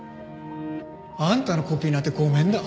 あんたのコピーなんてごめんだ。